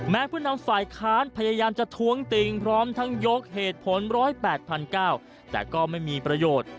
ผู้นำฝ่ายค้านพยายามจะท้วงติงพร้อมทั้งยกเหตุผล๑๐๘๙๐๐แต่ก็ไม่มีประโยชน์